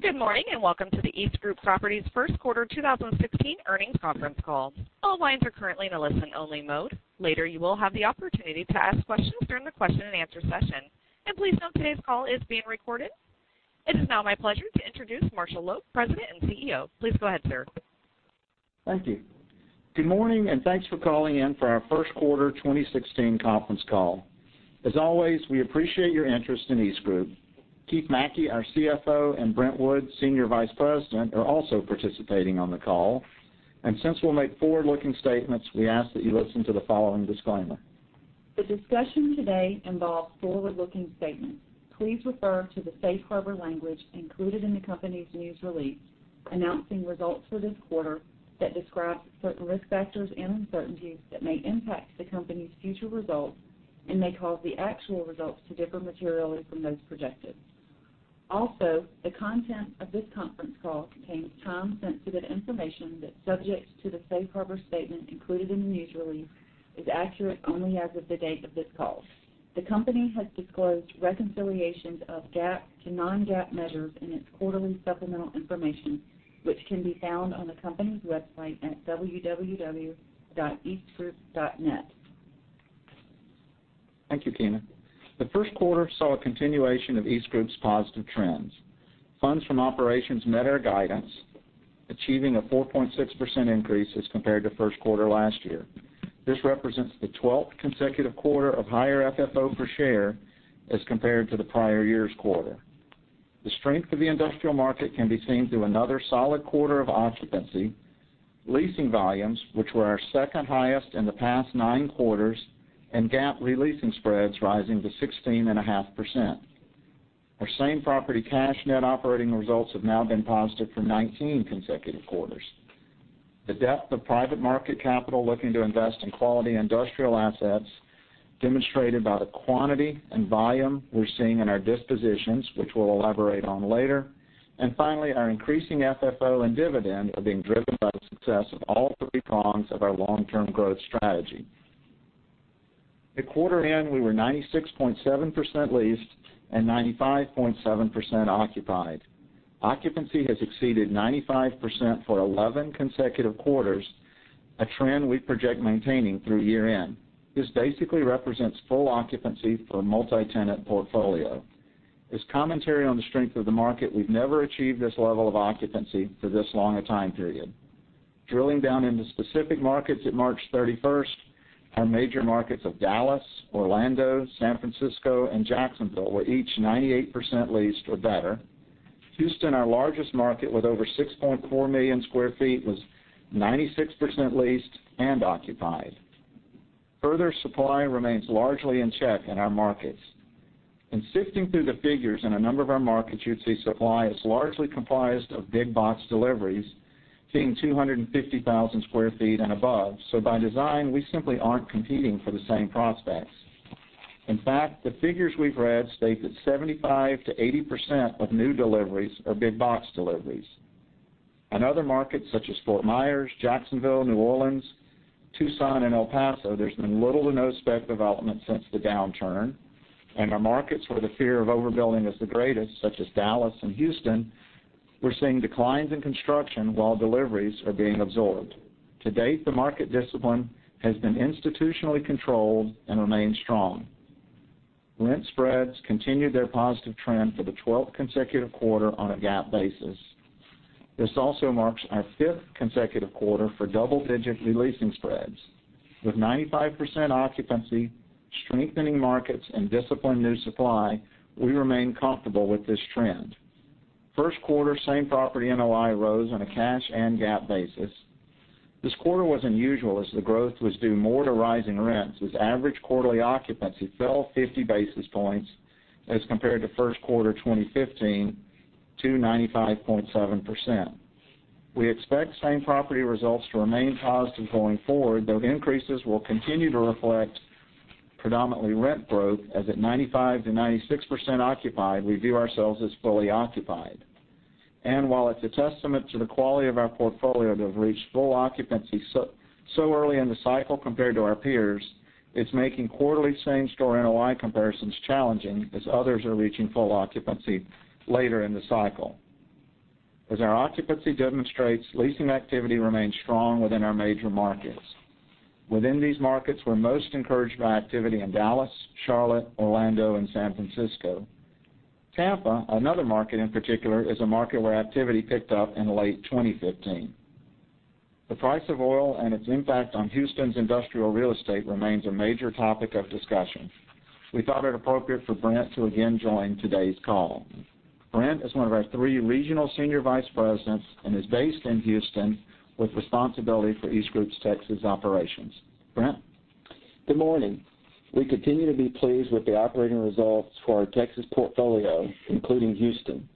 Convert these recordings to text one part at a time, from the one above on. Good morning, welcome to the EastGroup Properties first quarter 2016 earnings conference call. All lines are currently in a listen only mode. Later, you will have the opportunity to ask questions during the question and answer session. Please note today's call is being recorded. It is now my pleasure to introduce Marshall Loeb, President and CEO. Please go ahead, sir. Thank you. Good morning, thanks for calling in for our first quarter 2016 conference call. As always, we appreciate your interest in EastGroup. Keith McKey, our CFO, Brent Wood, Senior Vice President, are also participating on the call. Since we'll make forward-looking statements, we ask that you listen to the following disclaimer. The discussion today involves forward-looking statements. Please refer to the safe harbor language included in the company's news release announcing results for this quarter that describes certain risk factors and uncertainties that may impact the company's future results and may cause the actual results to differ materially from those projected. Also, the content of this conference call contains time-sensitive information that, subject to the safe harbor statement included in the news release, is accurate only as of the date of this call. The company has disclosed reconciliations of GAAP to non-GAAP measures in its quarterly supplemental information, which can be found on the company's website at www.eastgroup.net. Thank you, Keena. The first quarter saw a continuation of EastGroup's positive trends. Funds from operations met our guidance, achieving a 4.6% increase as compared to first quarter last year. This represents the 12th consecutive quarter of higher FFO per share as compared to the prior year's quarter. The strength of the industrial market can be seen through another solid quarter of occupancy, leasing volumes, which were our second highest in the past nine quarters, and GAAP re-leasing spreads rising to 16.5%. Our same property cash net operating results have now been positive for 19 consecutive quarters. The depth of private market capital looking to invest in quality industrial assets demonstrated by the quantity and volume we're seeing in our dispositions, which we'll elaborate on later. Finally, our increasing FFO and dividend are being driven by the success of all three prongs of our long-term growth strategy. At quarter end, we were 96.7% leased and 95.7% occupied. Occupancy has exceeded 95% for 11 consecutive quarters, a trend we project maintaining through year-end. This basically represents full occupancy for a multi-tenant portfolio. As commentary on the strength of the market, we've never achieved this level of occupancy for this long a time period. Drilling down into specific markets at March 31st, our major markets of Dallas, Orlando, San Francisco, and Jacksonville were each 98% leased or better. Houston, our largest market, with over 6.4 million square feet, was 96% leased and occupied. Further supply remains largely in check in our markets. Sifting through the figures in a number of our markets, you'd see supply is largely comprised of big box deliveries, seeing 250,000 square feet and above. By design, we simply aren't competing for the same prospects. In fact, the figures we've read state that 75%-80% of new deliveries are big box deliveries. In other markets, such as Fort Myers, Jacksonville, New Orleans, Tucson, and El Paso, there's been little to no spec development since the downturn. Our markets where the fear of overbuilding is the greatest, such as Dallas and Houston, we're seeing declines in construction while deliveries are being absorbed. To date, the market discipline has been institutionally controlled and remains strong. Rent spreads continued their positive trend for the 12th consecutive quarter on a GAAP basis. This also marks our fifth consecutive quarter for double-digit re-leasing spreads. With 95% occupancy, strengthening markets, and disciplined new supply, we remain comfortable with this trend. First quarter same property NOI rose on a cash and GAAP basis. This quarter was unusual as the growth was due more to rising rents, as average quarterly occupancy fell 50 basis points as compared to first quarter 2015 to 95.7%. We expect same property results to remain positive going forward, though increases will continue to reflect predominantly rent growth, as at 95%-96% occupied, we view ourselves as fully occupied. While it's a testament to the quality of our portfolio to have reached full occupancy so early in the cycle compared to our peers, it's making quarterly same-store NOI comparisons challenging as others are reaching full occupancy later in the cycle. As our occupancy demonstrates, leasing activity remains strong within our major markets. Within these markets, we're most encouraged by activity in Dallas, Charlotte, Orlando, and San Francisco. Tampa, another market in particular, is a market where activity picked up in late 2015. The price of oil and its impact on Houston's industrial real estate remains a major topic of discussion. We thought it appropriate for Brent to again join today's call. Brent is one of our three regional senior vice presidents and is based in Houston with responsibility for EastGroup's Texas operations. Brent? Good morning. We continue to be pleased with the operating results for our Texas portfolio, including Houston.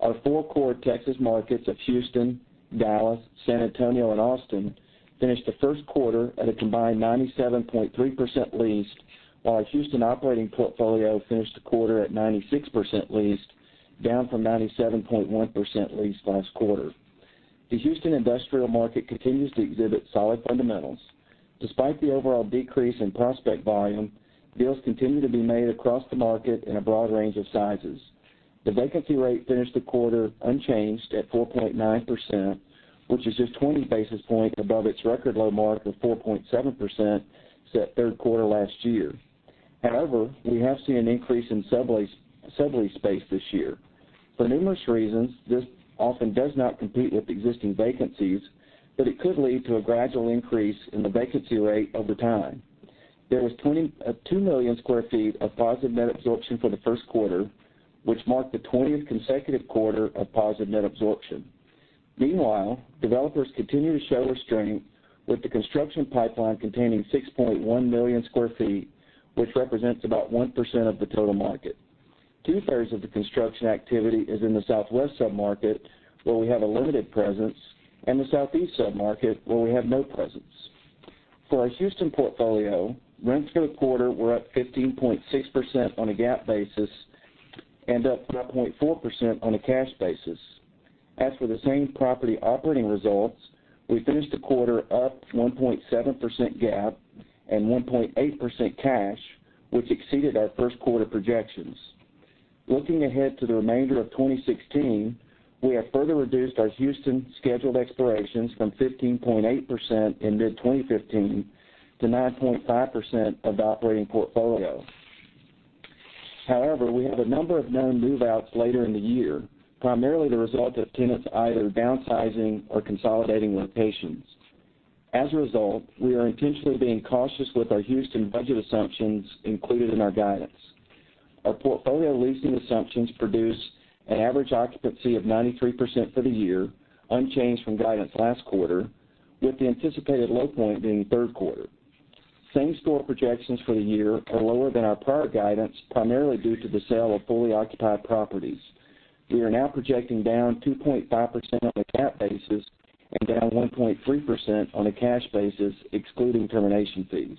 Our four core Texas markets of Houston, Dallas, San Antonio, and Austin finished the first quarter at a combined 97.3% leased, while our Houston operating portfolio finished the quarter at 96% leased, down from 97.1% leased last quarter. The Houston industrial market continues to exhibit solid fundamentals. Despite the overall decrease in prospect volume, deals continue to be made across the market in a broad range of sizes. The vacancy rate finished the quarter unchanged at 4.9%, which is just 20 basis points above its record low mark of 4.7% set third quarter last year. However, we have seen an increase in sublease space this year. For numerous reasons, this often does not compete with existing vacancies, but it could lead to a gradual increase in the vacancy rate over time. There was 2 million square feet of positive net absorption for the first quarter, which marked the 20th consecutive quarter of positive net absorption. Meanwhile, developers continue to show restraint with the construction pipeline containing 6.1 million square feet, which represents about 1% of the total market. Two-thirds of the construction activity is in the southwest sub-market, where we have a limited presence, and the southeast sub-market, where we have no presence. For our Houston portfolio, rents for the quarter were up 15.6% on a GAAP basis and up 12.4% on a cash basis. As for the same-property operating results, we finished the quarter up 1.7% GAAP and 1.8% cash, which exceeded our first quarter projections. Looking ahead to the remainder of 2016, we have further reduced our Houston scheduled expirations from 15.8% in mid-2015 to 9.5% of the operating portfolio. We have a number of known move-outs later in the year, primarily the result of tenants either downsizing or consolidating locations. As a result, we are intentionally being cautious with our Houston budget assumptions included in our guidance. Our portfolio leasing assumptions produce an average occupancy of 93% for the year, unchanged from guidance last quarter, with the anticipated low point being third quarter. Same-store projections for the year are lower than our prior guidance, primarily due to the sale of fully occupied properties. We are now projecting down 2.5% on a GAAP basis and down 1.3% on a cash basis, excluding termination fees.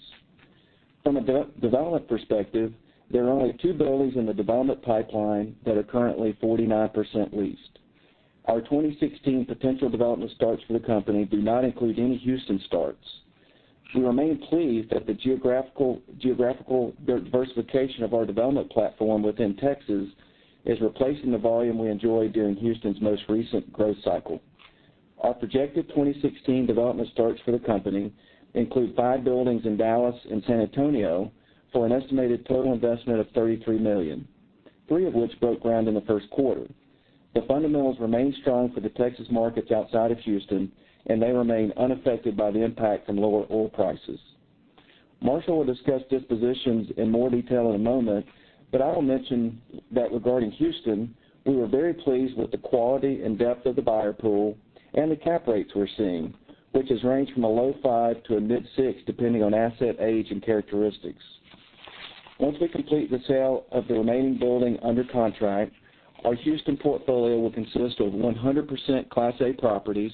From a development perspective, there are only two buildings in the development pipeline that are currently 49% leased. Our 2016 potential development starts for the company do not include any Houston starts. We remain pleased that the geographical diversification of our development platform within Texas is replacing the volume we enjoyed during Houston's most recent growth cycle. Our projected 2016 development starts for the company include five buildings in Dallas and San Antonio for an estimated total investment of $33 million. Three of which broke ground in the first quarter. The fundamentals remain strong for the Texas markets outside of Houston, and they remain unaffected by the impact from lower oil prices. Marshall will discuss dispositions in more detail in a moment, but I will mention that regarding Houston, we were very pleased with the quality and depth of the buyer pool and the cap rates we're seeing, which has ranged from a low five to a mid-six, depending on asset age and characteristics. Once we complete the sale of the remaining building under contract, our Houston portfolio will consist of 100% Class A properties,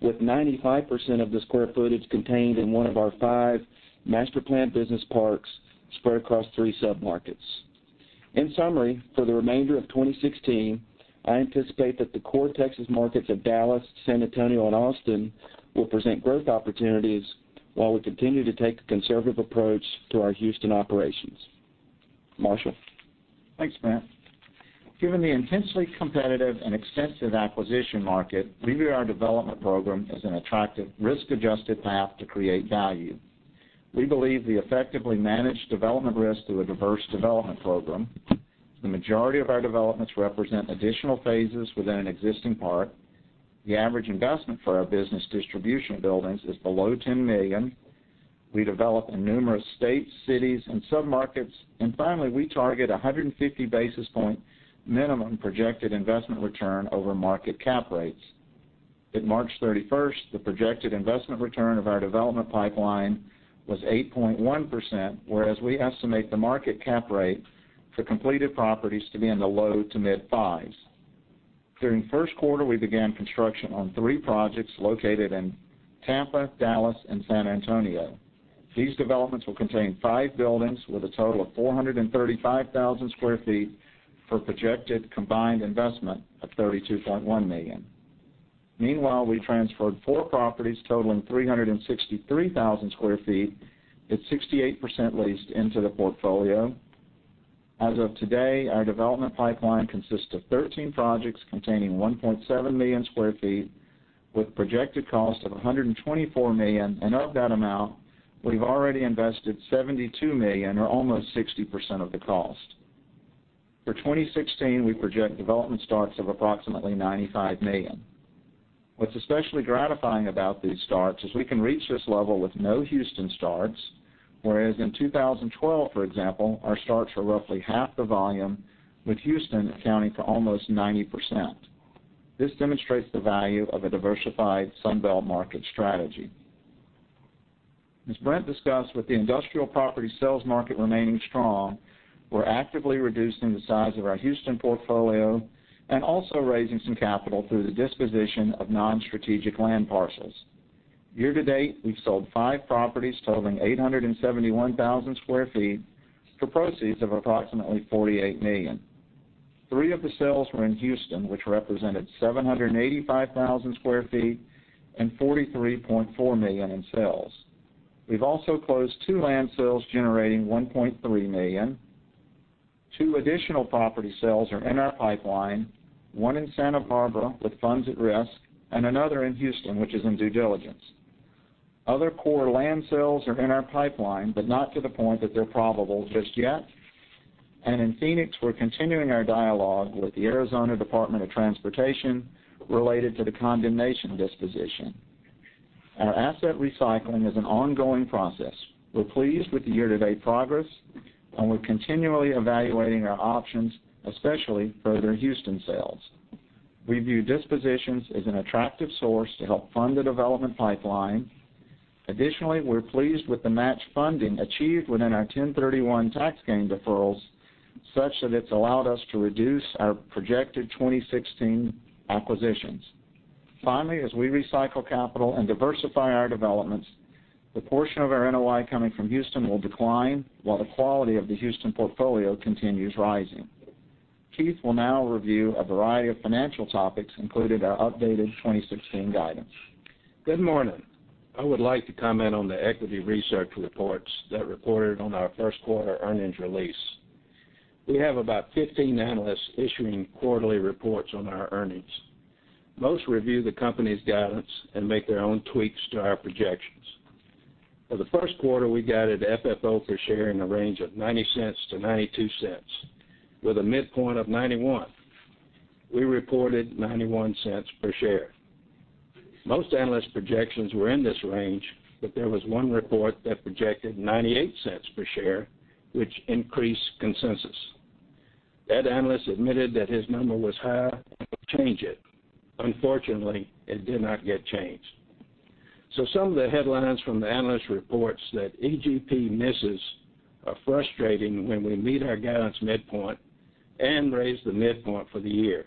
with 95% of the square footage contained in one of our five master-planned business parks spread across three submarkets. In summary, for the remainder of 2016, I anticipate that the core Texas markets of Dallas, San Antonio, and Austin will present growth opportunities while we continue to take a conservative approach to our Houston operations. Marshall. Thanks, Brent. Given the intensely competitive and extensive acquisition market, we view our development program as an attractive risk-adjusted path to create value. We believe we effectively manage development risk through a diverse development program. The majority of our developments represent additional phases within an existing park. The average investment for our business distribution buildings is below $10 million. Finally, we target 150-basis-point minimum projected investment return over market cap rates. At March 31st, the projected investment return of our development pipeline was 8.1%, whereas we estimate the market cap rate for completed properties to be in the low to mid-fives. During the first quarter, we began construction on three projects located in Tampa, Dallas, and San Antonio. These developments will contain five buildings with a total of 435,000 sq ft for a projected combined investment of $32.1 million. Meanwhile, we transferred four properties totaling 363,000 sq ft at 68% leased into the portfolio. As of today, our development pipeline consists of 13 projects containing 1.7 million sq ft with a projected cost of $124 million, and of that amount, we've already invested $72 million or almost 60% of the cost. For 2016, we project development starts of approximately $95 million. What's especially gratifying about these starts is we can reach this level with no Houston starts, whereas in 2012, for example, our starts were roughly half the volume, with Houston accounting for almost 90%. This demonstrates the value of a diversified Sun Belt market strategy. As Brent discussed, with the industrial property sales market remaining strong, we're actively reducing the size of our Houston portfolio and also raising some capital through the disposition of non-strategic land parcels. Year-to-date, we've sold five properties totaling 871,000 sq ft for proceeds of approximately $48 million. Three of the sales were in Houston, which represented 785,000 sq ft and $43.4 million in sales. We've also closed two land sales generating $1.3 million. Two additional property sales are in our pipeline, one in Santa Barbara with funds at risk, and another in Houston, which is in due diligence. Other core land sales are in our pipeline, but not to the point that they're probable just yet. In Phoenix, we're continuing our dialogue with the Arizona Department of Transportation related to the condemnation disposition. Our asset recycling is an ongoing process. We're pleased with the year-to-date progress, and we're continually evaluating our options, especially further Houston sales. We view dispositions as an attractive source to help fund the development pipeline. We are pleased with the match funding achieved within our 1031 tax gain deferrals, such that it has allowed us to reduce our projected 2016 acquisitions. As we recycle capital and diversify our developments, the portion of our NOI coming from Houston will decline, while the quality of the Houston portfolio continues rising. Keith will now review a variety of financial topics, including our updated 2016 guidance. Good morning. I would like to comment on the equity research reports that reported on our first quarter earnings release. We have about 15 analysts issuing quarterly reports on our earnings. Most review the company's guidance and make their own tweaks to our projections. For the first quarter, we guided FFO per share in the range of $0.90-$0.92 with a midpoint of $0.91. We reported $0.91 per share. Most analyst projections were in this range, there was one report that projected $0.98 per share, which increased consensus. That analyst admitted that his number was high, would change it. It did not get changed. Some of the headlines from the analyst reports that EGP misses are frustrating when we meet our guidance midpoint and raise the midpoint for the year.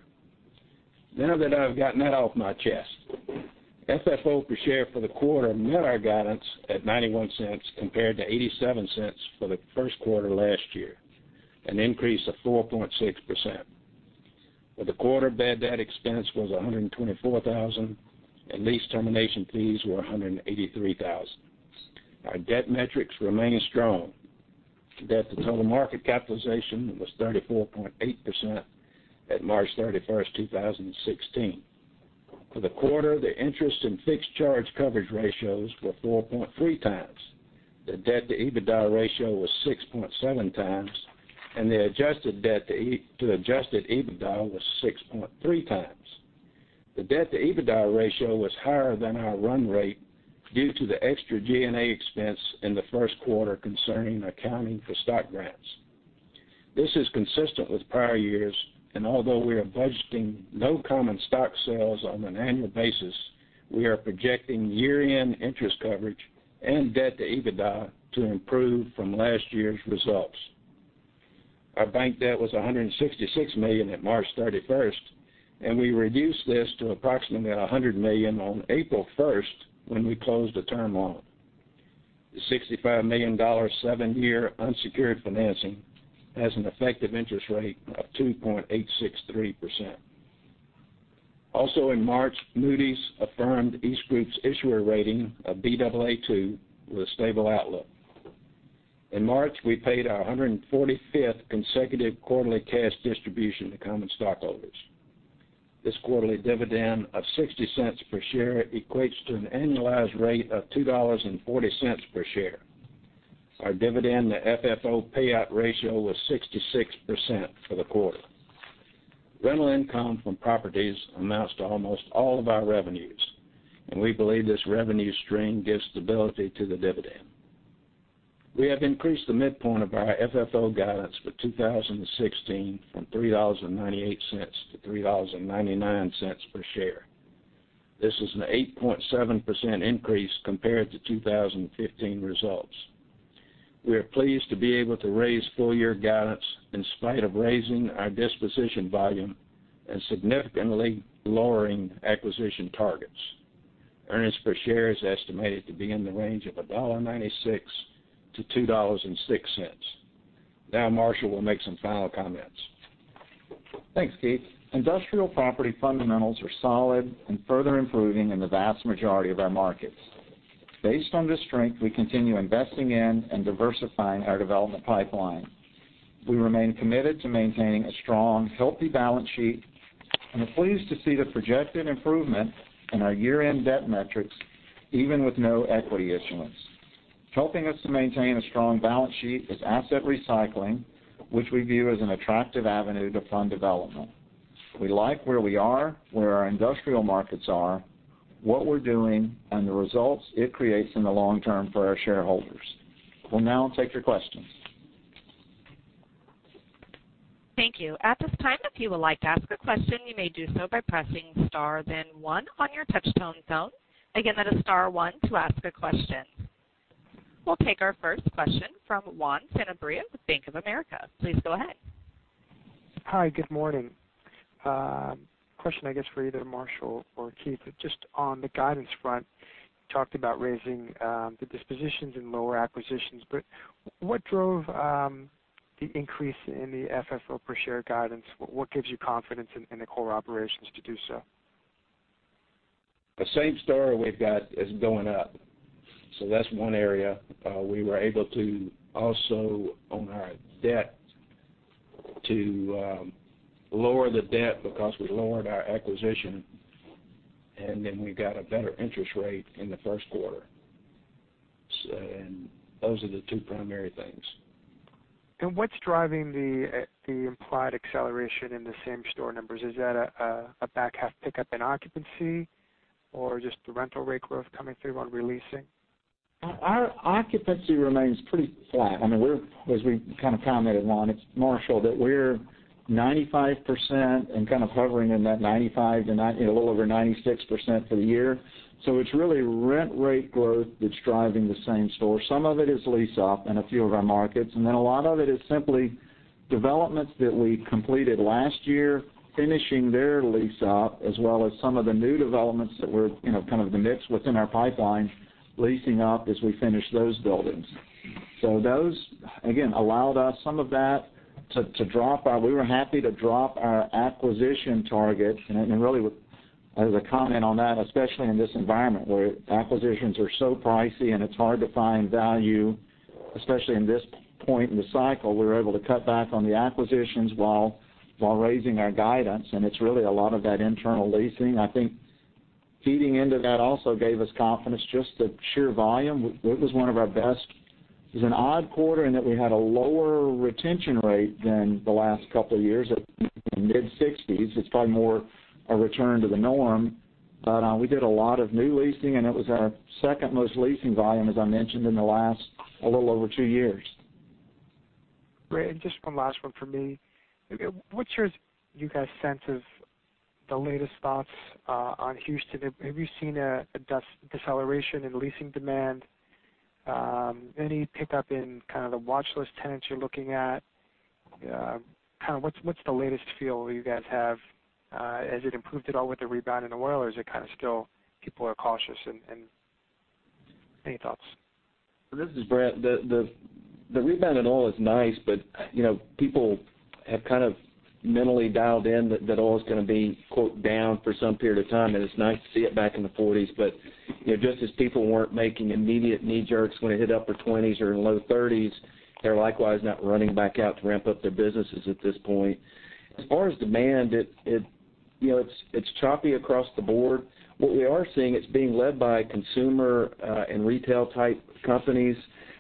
Now that I've gotten that off my chest, FFO per share for the quarter met our guidance at $0.91 compared to $0.87 for the first quarter last year, an increase of 4.6%. For the quarter, bad debt expense was $124,000, and lease termination fees were $183,000. Our debt metrics remain strong. Debt to total market capitalization was 34.8% at March 31st, 2016. For the quarter, the interest and fixed charge coverage ratios were 4.3 times. The debt to EBITDA ratio was 6.7 times, and the adjusted debt to adjusted EBITDA was 6.3 times. The debt to EBITDA ratio was higher than our run rate due to the extra G&A expense in the first quarter concerning accounting for stock grants. This is consistent with prior years, although we are budgeting no common stock sales on an annual basis, we are projecting year-end interest coverage and debt to EBITDA to improve from last year's results. Our bank debt was $166 million at March 31st, we reduced this to approximately $100 million on April 1st when we closed the term loan. The $65 million seven-year unsecured financing has an effective interest rate of 2.863%. In March, Moody's affirmed EastGroup's issuer rating of Baa2 with a stable outlook. In March, we paid our 145th consecutive quarterly cash distribution to common stockholders. This quarterly dividend of $0.60 per share equates to an annualized rate of $2.40 per share. Our dividend-to-FFO payout ratio was 66% for the quarter. Rental income from properties amounts to almost all of our revenues, we believe this revenue stream gives stability to the dividend. We have increased the midpoint of our FFO guidance for 2016 from $3.98-$3.99 per share. This is an 8.7% increase compared to 2015 results. We are pleased to be able to raise full-year guidance in spite of raising our disposition volume and significantly lowering acquisition targets. Earnings per share is estimated to be in the range of $1.96-$2.06. Marshall will make some final comments. Thanks, Keith. Industrial property fundamentals are solid and further improving in the vast majority of our markets. Based on this strength, we continue investing in and diversifying our development pipeline. We remain committed to maintaining a strong, healthy balance sheet and are pleased to see the projected improvement in our year-end debt metrics, even with no equity issuance. Helping us to maintain a strong balance sheet is asset recycling, which we view as an attractive avenue to fund development. We like where we are, where our industrial markets are, what we're doing, and the results it creates in the long term for our shareholders. We'll now take your questions. Thank you. At this time, if you would like to ask a question, you may do so by pressing star then one on your touch-tone phone. Again, that is star one to ask a question. We'll take our first question from Juan Sanabria with Bank of America. Please go ahead. Hi, good morning. A question, I guess, for either Marshall or Keith. Just on the guidance front, you talked about raising the dispositions and lower acquisitions, what drove the increase in the FFO per share guidance? What gives you confidence in the core operations to do so? The same store we've got is going up. That's one area. We were able to also, on our debt, to lower the debt because we lowered our acquisition, we got a better interest rate in the first quarter. Those are the two primary things. What's driving the implied acceleration in the same store numbers? Is that a back-half pickup in occupancy or just the rental rate growth coming through on re-leasing? Our occupancy remains pretty flat. As we kind of commented on, it's, Marshall, that we're 95% and kind of hovering in that 95% to a little over 96% for the year. It's really rent rate growth that's driving the same store. Some of it is lease up in a few of our markets, a lot of it is simply developments that we completed last year, finishing their lease up, as well as some of the new developments that were kind of the mix within our pipeline leasing up as we finish those buildings. Those, again, allowed us some of that. We were happy to drop our acquisition target, really, as a comment on that, especially in this environment where acquisitions are so pricey and it's hard to find value, especially in this point in the cycle, we were able to cut back on the acquisitions while raising our guidance, it's really a lot of that internal leasing. I think feeding into that also gave us confidence, just the sheer volume. It was one of our best. It was an odd quarter in that we had a lower retention rate than the last couple of years at mid-60s. It's probably more a return to the norm. We did a lot of new leasing, it was our second-most leasing volume, as I mentioned, in the last a little over two years. Great. Just one last one from me. What's your guys' sense of the latest thoughts on Houston? Have you seen a deceleration in leasing demand? Any pickup in kind of the watchlist tenants you're looking at? What's the latest feel you guys have? Has it improved at all with the rebound in oil, or is it kind of still people are cautious? Any thoughts? This is Brent. The rebound in oil is nice, but people have kind of mentally dialed in that oil's going to be, quote, "down" for some period of time, and it's nice to see it back in the 40s. Just as people weren't making immediate knee jerks when it hit upper 20s or low 30s, they're likewise not running back out to ramp up their businesses at this point. As far as demand, it's choppy across the board. What we are seeing, it's being led by consumer and retail-type companies.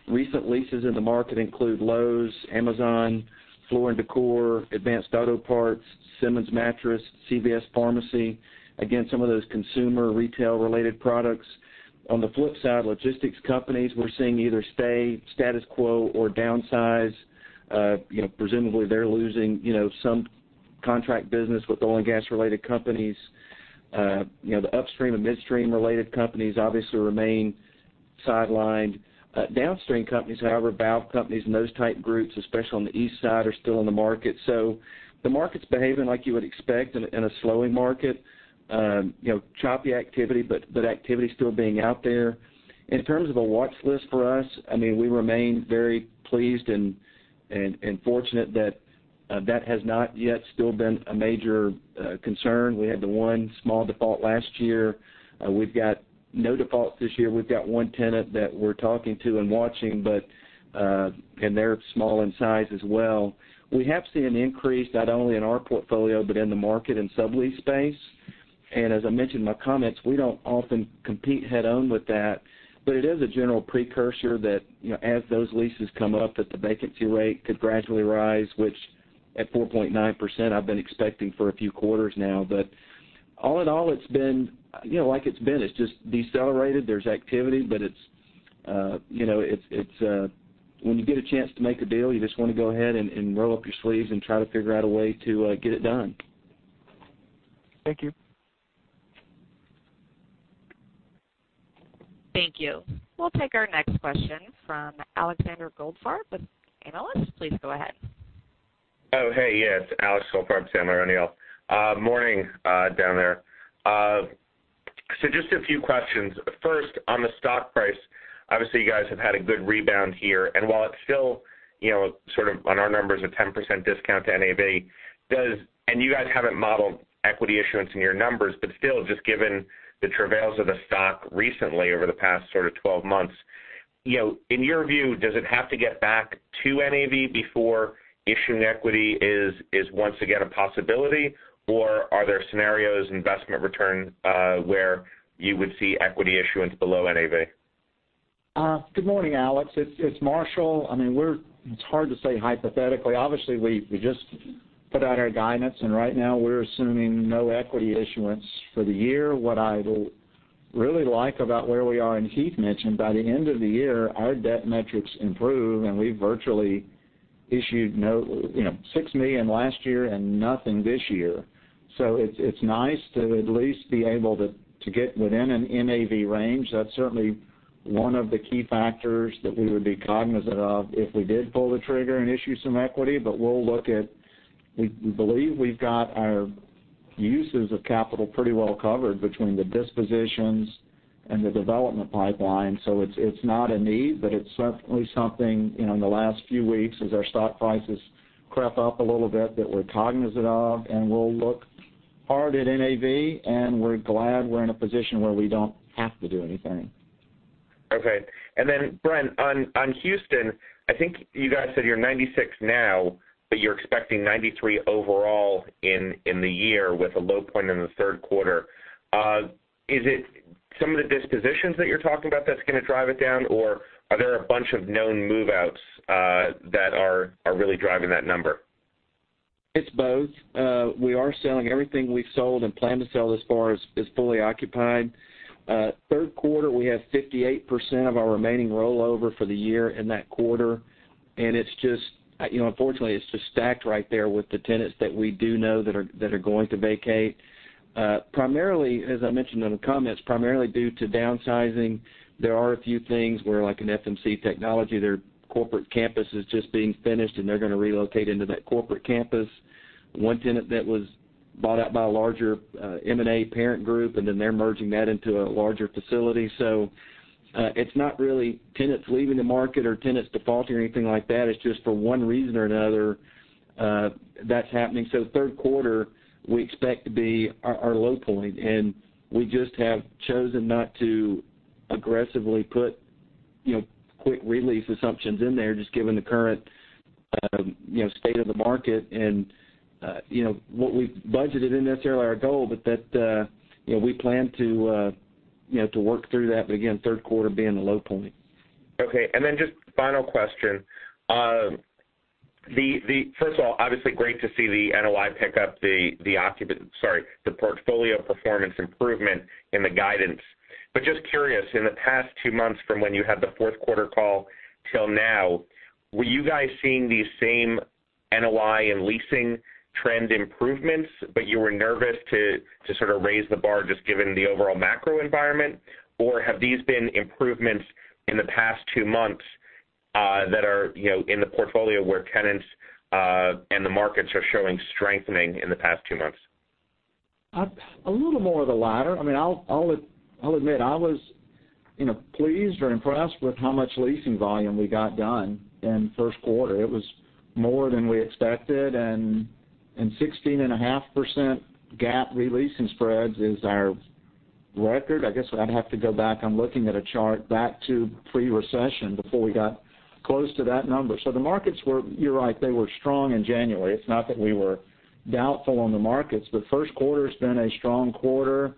Recent leases in the market include Lowe's, Amazon, Floor & Decor, Advance Auto Parts, Simmons Mattress, CVS Pharmacy. Again, some of those consumer retail-related products. On the flip side, logistics companies we're seeing either stay status quo or downsize. Presumably they're losing some contract business with oil and gas-related companies. The upstream and midstream-related companies obviously remain sidelined. Downstream companies, however, valve companies and those type groups, especially on the east side, are still in the market. The market's behaving like you would expect in a slowing market. Choppy activity, but activity still being out there. In terms of a watchlist for us, we remain very pleased and fortunate that that has not yet still been a major concern. We had one small default last year. We've got no defaults this year. We've got one tenant that we're talking to and watching, and they're small in size as well. We have seen an increase not only in our portfolio, but in the market and sublease space. As I mentioned in my comments, we don't often compete head-on with that, but it is a general precursor that as those leases come up, that the vacancy rate could gradually rise, which at 4.9%, I've been expecting for a few quarters now. All in all, it's been like it's been. It's just decelerated. There's activity, but when you get a chance to make a deal, you just want to go ahead and roll up your sleeves and try to figure out a way to get it done. Thank you. Thank you. We'll take our next question from Alexander Goldfarb with Sandler O'Neill. Please go ahead. Oh, hey, yes, it's Alex Goldfarb, Sandler O'Neill. Morning down there. Just a few questions. First, on the stock price, obviously, you guys have had a good rebound here, and while it's still sort of on our numbers, a 10% discount to NAV does, and you guys haven't modeled equity issuance in your numbers, just given the travails of the stock recently over the past sort of 12 months, in your view, does it have to get back to NAV before issuing equity is once again a possibility, or are there scenarios in investment return where you would see equity issuance below NAV? Good morning, Alex. It's Marshall. It's hard to say hypothetically. Obviously, we just put out our guidance, and right now we're assuming no equity issuance for the year. What I really like about where we are, and Keith mentioned, by the end of the year, our debt metrics improve, and we virtually issued $6 million last year and nothing this year. It's nice to at least be able to get within an NAV range. That's certainly one of the key factors that we would be cognizant of if we did pull the trigger and issue some equity. We believe we've got our uses of capital pretty well covered between the dispositions and the development pipeline. It's not a need, but it's certainly something, in the last few weeks as our stock prices crept up a little bit, that we're cognizant of, and we'll look hard at NAV, and we're glad we're in a position where we don't have to do anything. Brent, on Houston, I think you guys said you're 96 now, but you're expecting 93 overall in the year with a low point in the third quarter. Is it some of the dispositions that you're talking about that's going to drive it down, or are there a bunch of known move-outs that are really driving that number? It's both. We are selling everything we've sold and plan to sell as far as is fully occupied. Third quarter, we have 58% of our remaining rollover for the year in that quarter, and unfortunately, it's just stacked right there with the tenants that we do know that are going to vacate. As I mentioned in the comments, primarily due to downsizing. There are a few things where, like in FMC Technologies, their corporate campus is just being finished, and they're going to relocate into that corporate campus. One tenant that was bought out by a larger M&A parent group, and then they're merging that into a larger facility. It's not really tenants leaving the market or tenants defaulting or anything like that, it's just for one reason or another, that's happening. Third quarter, we expect to be our low point, and we just have chosen not to aggressively put quick release assumptions in there, just given the current state of the market and what we've budgeted isn't necessarily our goal, but that we plan to work through that. Again, third quarter being the low point. Okay, just final question. First of all, obviously great to see the NOI pick up the portfolio performance improvement in the guidance. Just curious, in the past 2 months from when you had the fourth quarter call till now, were you guys seeing the same NOI and leasing trend improvements, but you were nervous to sort of raise the bar just given the overall macro environment? Have these been improvements in the past 2 months that are in the portfolio where tenants and the markets are showing strengthening in the past 2 months? A little more of the latter. I'll admit, I was pleased or impressed with how much leasing volume we got done in first quarter. It was more than we expected. 16.5% GAAP re-leasing spreads is our record. I guess I'd have to go back, I'm looking at a chart back to pre-recession before we got close to that number. The markets were strong in January. It's not that we were doubtful on the markets. First quarter's been a strong quarter.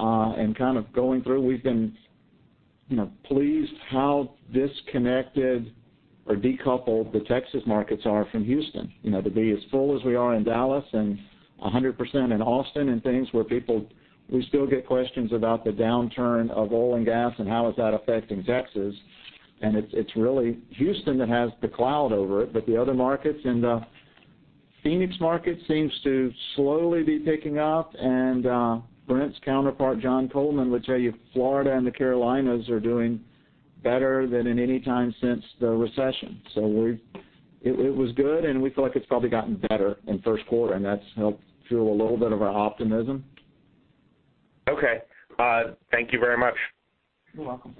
Kind of going through, we've been pleased how disconnected or decoupled the Texas markets are from Houston. To be as full as we are in Dallas and 100% in Austin and things where we still get questions about the downturn of oil and gas and how is that affecting Texas, and it's really Houston that has the cloud over it, but the other markets and the Phoenix market seems to slowly be picking up, and Brent's counterpart, John Coleman, would tell you Florida and the Carolinas are doing better than in any time since the recession. It was good. We feel like it's probably gotten better in first quarter. That's helped fuel a little bit of our optimism. Okay. Thank you very much. You're welcome.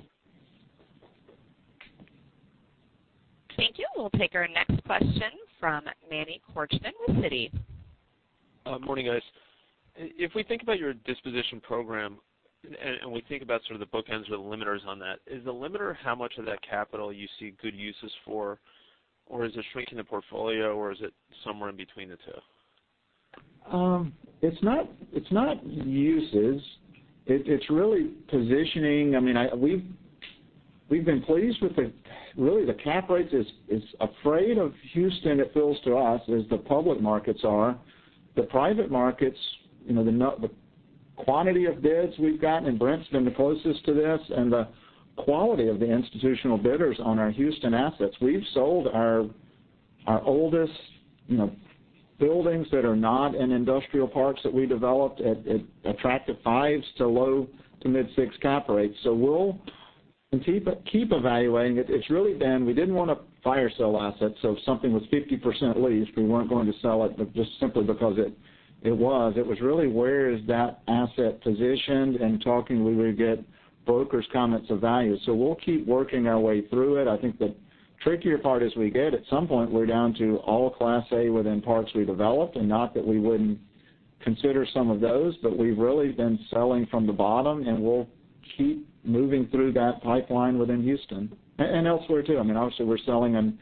Thank you. We'll take our next question from Emmanuel Korchman with Citi. Morning, guys. If we think about your disposition program and we think about sort of the bookends or the limiters on that, is the limiter how much of that capital you see good uses for, or is it shrinking the portfolio, or is it somewhere in between the two? It's not uses. It's really positioning. We've been pleased with the Really, the cap rate is afraid of Houston, it feels to us, as the public markets are. The private markets, the quantity of bids we've gotten, and Brent's been the closest to this, and the quality of the institutional bidders on our Houston assets. We've sold our oldest buildings that are not in industrial parks that we developed at attractive fives to low to mid-six cap rates. We'll keep evaluating it. It's really been we didn't want to fire sell assets, so if something was 50% leased, we weren't going to sell it, but just simply because it was. It was really where is that asset positioned and talking, we would get brokers' comments of value. We'll keep working our way through it. I think the trickier part is we get at some point, we're down to all Class A within parts we developed, and not that we wouldn't consider some of those, but we've really been selling from the bottom, and we'll keep moving through that pipeline within Houston and elsewhere too. Obviously, we're selling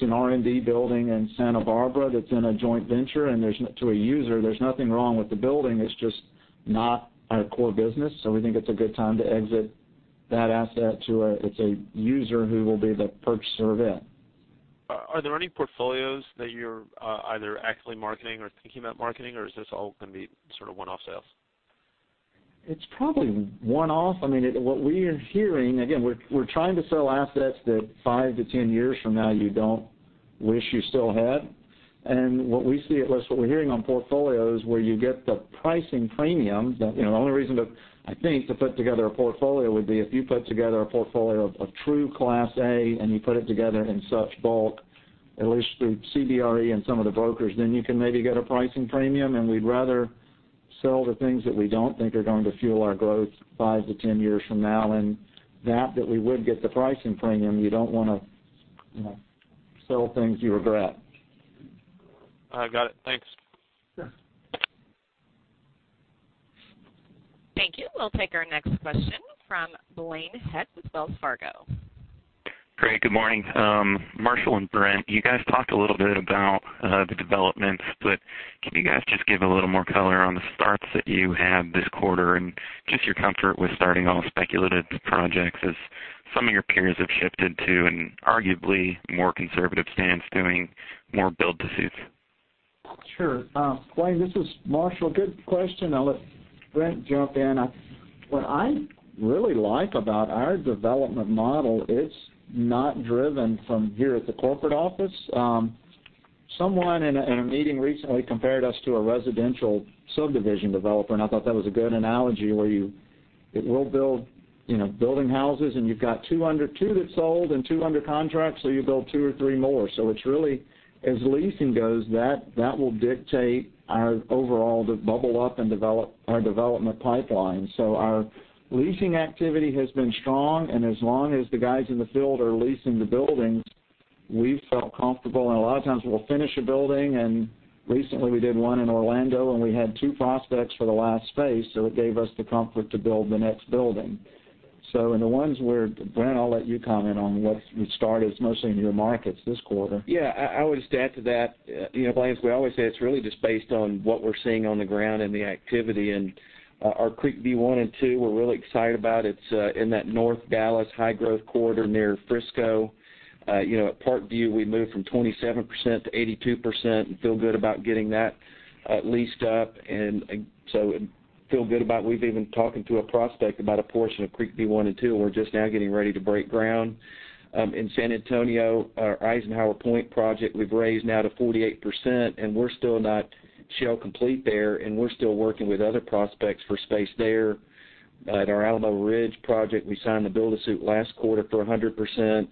an R&D building in Santa Barbara that's in a joint venture, and to a user, there's nothing wrong with the building. It's just not our core business. We think it's a good time to exit that asset to a user who will be the purchaser of it. Are there any portfolios that you're either actively marketing or thinking about marketing, or is this all going to be sort of one-off sales? It's probably one-off. What we are hearing, again, we're trying to sell assets that 5 to 10 years from now, you don't wish you still had. What we see, at least what we're hearing on portfolios, where you get the pricing premium, the only reason, I think, to put together a portfolio would be if you put together a portfolio of true Class A and you put it together in such bulk, at least through CBRE and some of the brokers, you can maybe get a pricing premium. We'd rather sell the things that we don't think are going to fuel our growth 5 to 10 years from now. That, that we would get the pricing premium, you don't want to sell things you regret. I got it. Thanks. Sure. Thank you. We'll take our next question from Blaine Heck with Wells Fargo. Great. Good morning. Marshall and Brent, you guys talked a little bit about the developments, can you guys just give a little more color on the starts that you had this quarter and just your comfort with starting all speculative projects as some of your peers have shifted to an arguably more conservative stance doing more build to suits? Sure. Blaine, this is Marshall. Good question. I'll let Brent jump in. What I really like about our development model, it's not driven from here at the corporate office. Someone in a meeting recently compared us to a residential subdivision developer, I thought that was a good analogy, where it will build building houses, and you've got two that sold and two under contract, you build two or three more. It's really as leasing goes, that will dictate our overall, the bubble up and our development pipeline. Our leasing activity has been strong, as long as the guys in the field are leasing the buildings, we've felt comfortable. A lot of times we'll finish a building, recently we did one in Orlando, and we had two prospects for the last space, it gave us the comfort to build the next building. The ones where, Brent, I'll let you comment on what we started. It's mostly in your markets this quarter. Yeah, I always add to that. Blaine, as we always say, it's really just based on what we're seeing on the ground and the activity. Our Creekview 1 and 2, we're really excited about. It's in that North Dallas high-growth corridor near Frisco. At ParkView, we moved from 27% to 82% and feel good about getting that leased up, and feel good about we've even talking to a prospect about a portion of Creekview 1 and 2, and we're just now getting ready to break ground. In San Antonio, our Eisenhauer Point project, we've raised now to 48%, and we're still not shell complete there, and we're still working with other prospects for space there. At our Alamo Ridge project, we signed the build-to-suit last quarter for 100%.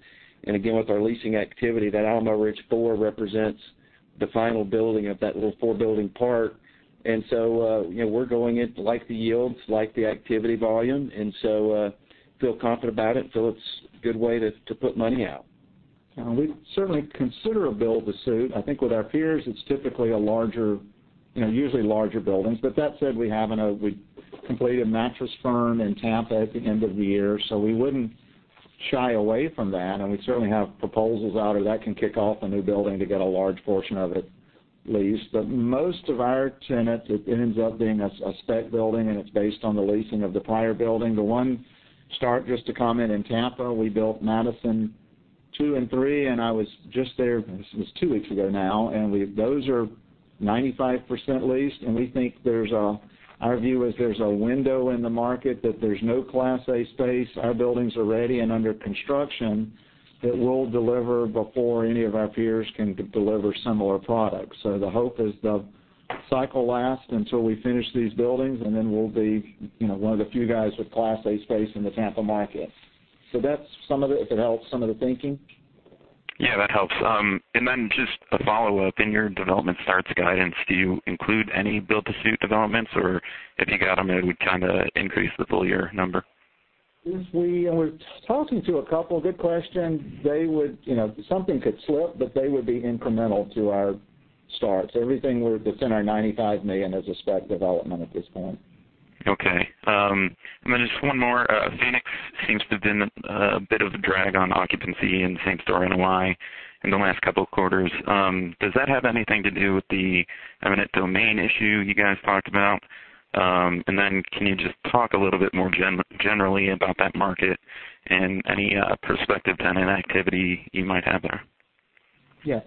Again, with our leasing activity, that Alamo Ridge 4 represents the final building of that little four-building part. We're going in, like the yields, like the activity volume, feel confident about it. Feel it's a good way to put money out. We'd certainly consider a build to suit. I think with our peers, it's typically usually larger buildings. That said, we completed Mattress Firm in Tampa at the end of the year, so we wouldn't shy away from that, and we certainly have proposals out or that can kick off a new building to get a large portion of it leased. Most of our tenants, it ends up being a spec building, and it's based on the leasing of the prior building. The one start, just to comment, in Tampa, we built Madison II and III, and I was just there, this was 2 weeks ago now, and those are 95% leased, and our view is there's a window in the market, that there's no class A space. Our buildings are ready and under construction that will deliver before any of our peers can deliver similar products. The hope is the cycle lasts until we finish these buildings, and then we'll be one of the few guys with class A space in the Tampa market. That's, if it helps, some of the thinking. Yeah, that helps. Just a follow-up. In your development starts guidance, do you include any build-to-suit developments? Or if you got them, it would kind of increase the full-year number. We're talking to a couple. Good question. Something could slip, but they would be incremental to our starts. Everything that's in our $95 million is a spec development at this point. Okay. Just one more. Phoenix seems to have been a bit of a drag on occupancy, and same story in NOI in the last couple of quarters. Does that have anything to do with the eminent domain issue you guys talked about? Can you just talk a little bit more generally about that market and any prospective tenant activity you might have there? Yes.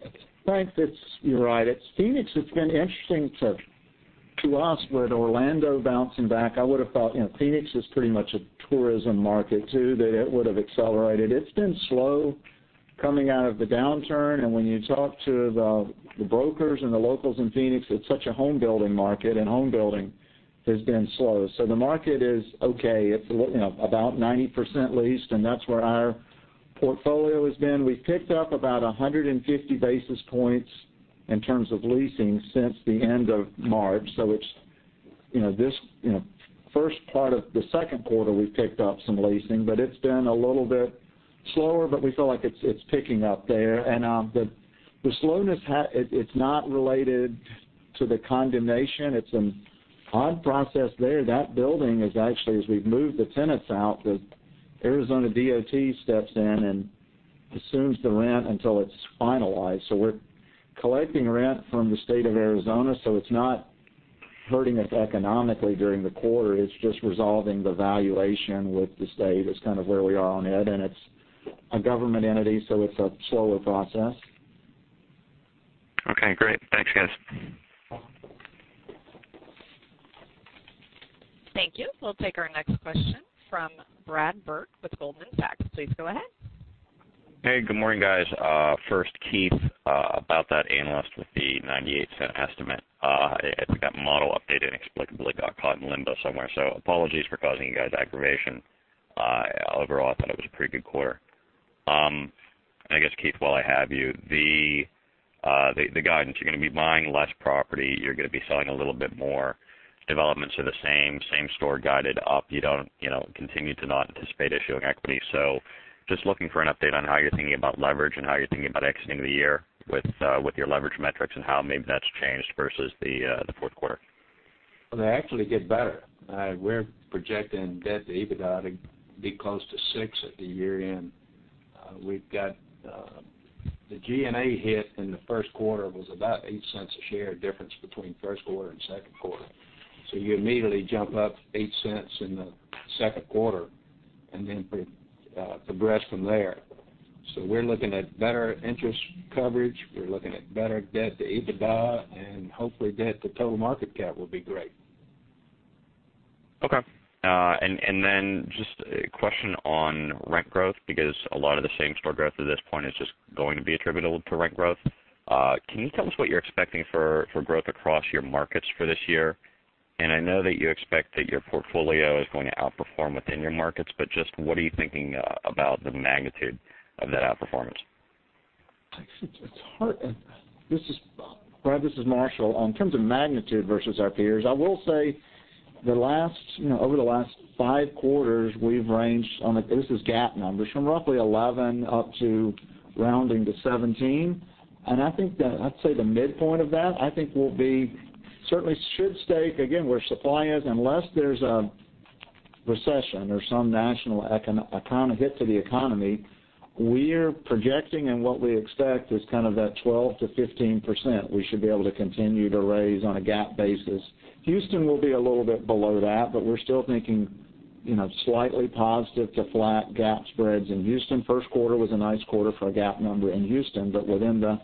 Blaine, you're right. Phoenix has been interesting to us with Orlando bouncing back. I would have thought Phoenix is pretty much a tourism market, too, that it would have accelerated. It's been slow coming out of the downturn, when you talk to the brokers and the locals in Phoenix, it's such a home building market, and home building has been slow. The market is okay. It's about 90% leased, and that's where our portfolio has been. We've ticked up about 150 basis points in terms of leasing since the end of March. This first part of the second quarter, we've ticked up some leasing, but it's been a little bit slower, but we feel like it's ticking up there. The slowness, it's not related to the condemnation. It's an odd process there. That building is actually, as we've moved the tenants out, the Arizona DOT steps in and assumes the rent until it's finalized. We're collecting rent from the state of Arizona, it's not hurting us economically during the quarter. It's just resolving the valuation with the state is kind of where we are on it's a government entity, it's a slower process. Okay, great. Thanks, guys. Thank you. We'll take our next question from Brad Burt with Goldman Sachs. Please go ahead. Hey, good morning, guys. First, Keith, about that analyst with the $0.98 estimate. It got model updated, inexplicably got caught in limbo somewhere. Apologies for causing you guys aggravation. Overall, I thought it was a pretty good quarter. I guess, Keith, while I have you, the guidance, you're going to be buying less property, you're going to be selling a little bit more. Developments are the same-store guided up. You don't continue to not anticipate issuing equity. Just looking for an update on how you're thinking about leverage and how you're thinking about exiting the year with your leverage metrics and how maybe that's changed versus the fourth quarter. Well, they actually get better. We're projecting debt to EBITDA to be close to 6 at the year-end. We've got the G&A hit in the first quarter was about $0.08 a share difference between first quarter and second quarter. You immediately jump up $0.08 in the second quarter and then progress from there. We're looking at better interest coverage. We're looking at better debt to EBITDA, and hopefully debt to total market cap will be great. Okay. Just a question on rent growth, because a lot of the same-store growth at this point is just going to be attributable to rent growth. Can you tell us what you're expecting for growth across your markets for this year? I know that you expect that your portfolio is going to outperform within your markets, but just what are you thinking about the magnitude of that outperformance? Brad, this is Marshall. On terms of magnitude versus our peers, I will say, over the last 5 quarters, we've ranged on, this is GAAP numbers, from roughly 11 up to rounding to 17. I think that, I'd say the midpoint of that, I think will be, certainly should stay, again, where supply is, unless there's a recession or some national hit to the economy, we're projecting and what we expect is kind of that 12%-15%, we should be able to continue to raise on a GAAP basis. Houston will be a little bit below that, but we're still thinking slightly positive to flat GAAP spreads in Houston. First quarter was a nice quarter for a GAAP number in Houston, but within the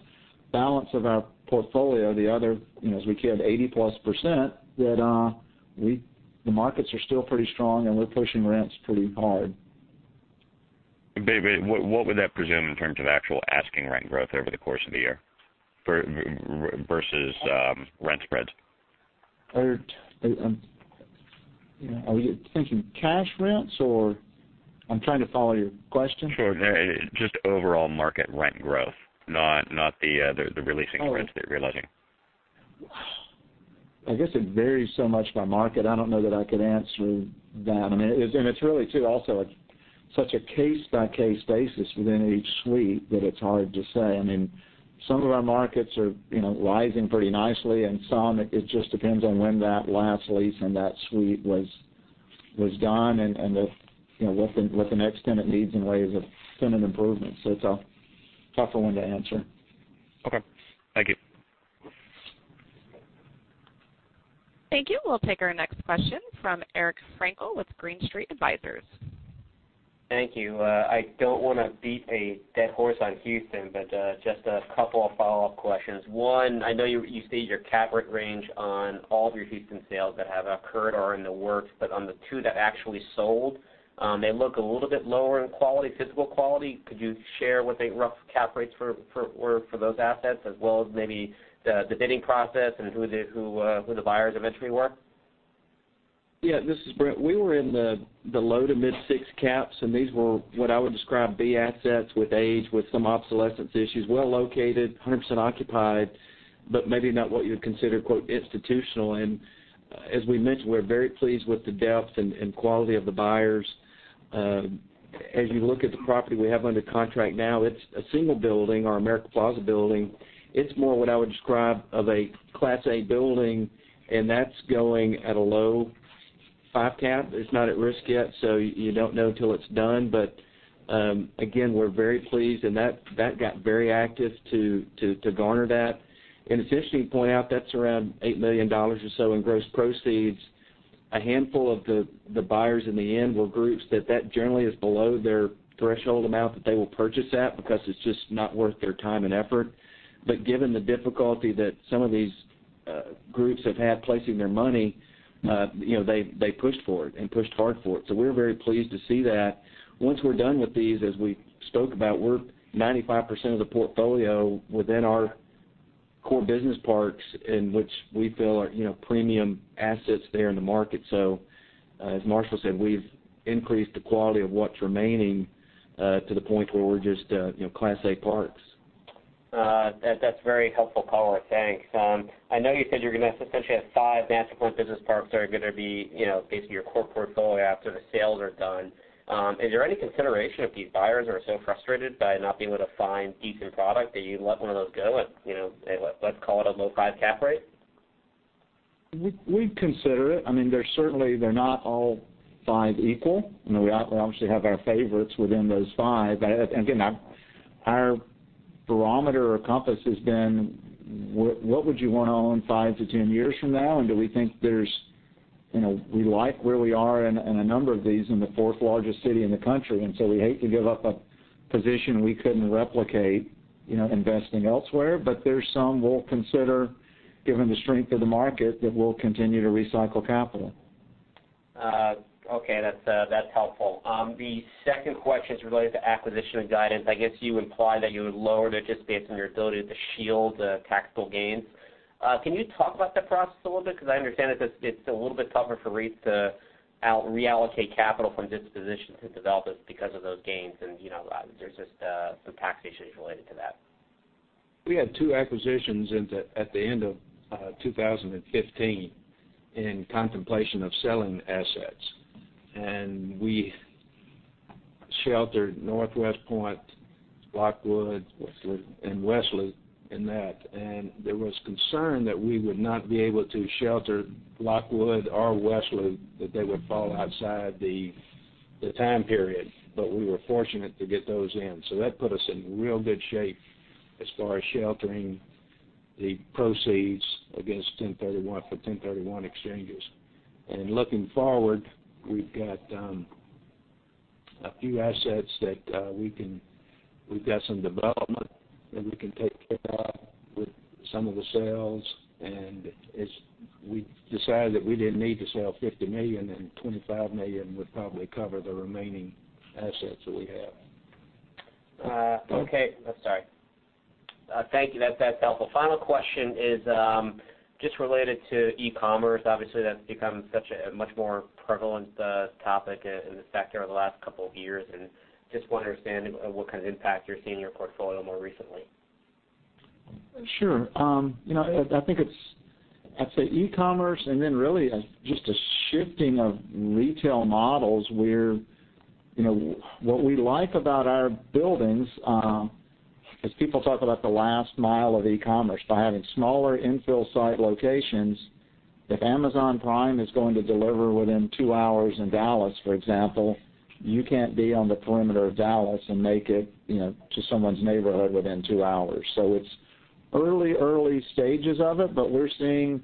balance of our portfolio, as we carried 80+%, the markets are still pretty strong, and we're pushing rents pretty hard. What would that presume in terms of actual asking rent growth over the course of the year versus rent spreads? Are we thinking cash rents or I'm trying to follow your question. Sure. Just overall market rent growth, not the re-leasing rents that you're leasing. I guess it varies so much by market. I don't know that I could answer that. It's really too, also such a case-by-case basis within each suite that it's hard to say. Some of our markets are rising pretty nicely, and some, it just depends on when that last lease in that suite was done and what the next tenant needs in ways of tenant improvements. It's a tough one to answer. Okay. Thank you. Thank you. We'll take our next question from Eric Frankel with Green Street Advisors. Thank you. I don't want to beat a dead horse on Houston, but just a couple of follow-up questions. One, I know you state your cap rate range on all of your Houston sales that have occurred or are in the works, but on the two that actually sold, they look a little bit lower in quality, physical quality. Could you share what the rough cap rates were for those assets as well as maybe the bidding process and who the buyers eventually were? Yeah, this is Brent. We were in the low to mid six caps. These were what I would describe B assets with age, with some obsolescence issues, well located, 100% occupied, but maybe not what you'd consider "institutional." As we mentioned, we're very pleased with the depth and quality of the buyers. As you look at the property we have under contract now, it's a single building, our American Plaza building. That's more what I would describe of a Class A building, and that's going at a low five cap. It's not at risk yet, so you don't know until it's done. Again, we're very pleased, and that got very active to garner that. As Justin pointed out, that's around $8 million or so in gross proceeds. A handful of the buyers in the end were groups that generally is below their threshold amount that they will purchase at because it's just not worth their time and effort. Given the difficulty that some of these groups have had placing their money, they pushed for it and pushed hard for it. We're very pleased to see that. Once we're done with these, as we spoke about, we're 95% of the portfolio within our core business parks in which we feel are premium assets there in the market. As Marshall said, we've increased the quality of what's remaining to the point where we're just Class A parks. That's very helpful color. Thanks. I know you said you're going to essentially have 5 master core business parks that are going to be basically your core portfolio after the sales are done. Is there any consideration if these buyers are so frustrated by not being able to find decent product that you let one of those go at, let's call it a low 5 cap rate? We'd consider it. They're not all 5 equal. We obviously have our favorites within those 5. Again, our barometer or compass has been, what would you want to own 5-10 years from now? We like where we are in a number of these, in the 4th largest city in the country, we hate to give up a position we couldn't replicate, investing elsewhere. There's some we'll consider, given the strength of the market, that we'll continue to recycle capital. Okay, that's helpful. The 2nd question is related to acquisition and guidance. I guess you implied that you would lower it just based on your ability to shield the taxable gains. Can you talk about that process a little bit? I understand that it's a little bit tougher for REITs to reallocate capital from dispositions to developers because of those gains and there's just some tax issues related to that. We had 2 acquisitions at the end of 2015 in contemplation of selling assets, we sheltered Northpoint, Lockwood, and Westley in that. There was concern that we would not be able to shelter Lockwood or Westley, that they would fall outside the time period, we were fortunate to get those in. That put us in real good shape as far as sheltering the proceeds against for 1031 exchanges. Looking forward, we've got a few assets that we've got some development that we can take care of with some of the sales, as we decided that we didn't need to sell $50 million, $25 million would probably cover the remaining assets that we have. Okay. That's all right. Thank you. That's helpful. Final question is just related to e-commerce. Obviously, that's become such a much more prevalent topic in this sector over the last couple of years. Just want to understand what kind of impact you're seeing in your portfolio more recently. Sure. Really just a shifting of retail models. What we like about our buildings, as people talk about the last mile of e-commerce, by having smaller infill site locations, if Amazon Prime is going to deliver within two hours in Dallas, for example, you can't be on the perimeter of Dallas and make it to someone's neighborhood within two hours. It's early stages of it, but we're seeing